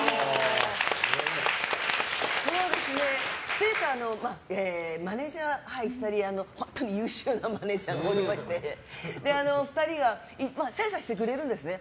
というか、マネジャーが２人優秀なマネジャーがおりまして２人が今精査してくれるんですね。